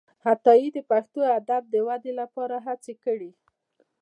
عطايي د پښتو ادب د ودې لپاره هڅي کړي دي.